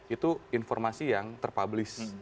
itu informasi yang terpublish